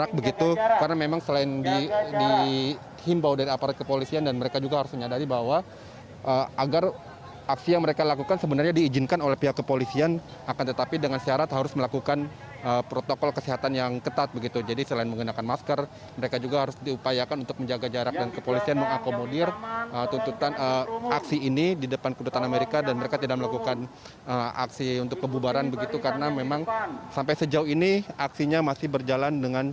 aksi simpatik juga dilakukan dengan menggalang dana dari masa yang berkumpul untuk disumbangkan kepada rakyat palestina terutama yang menjadi korban peperangan